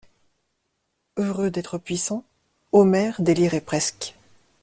Heureux d'être puissant, Omer délirait presque.